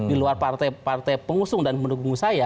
di luar partai partai pengusung dan mendukung saya